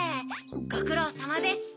ごくろうさまです。